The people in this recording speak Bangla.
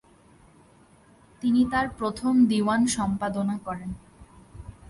তিনি তার প্রথম দিওয়ান সম্পাদনা করেন।